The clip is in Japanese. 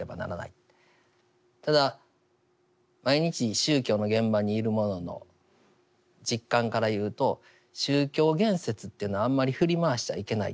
ただ毎日宗教の現場にいる者の実感から言うと宗教言説っていうのはあんまり振り回しちゃいけない。